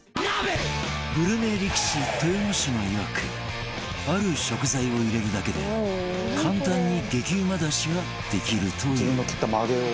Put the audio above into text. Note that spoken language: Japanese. グルメ力士、豊ノ島いわくある食材を入れるだけで簡単に激うまだしができるというカズレーザー：自分の切ったまげを。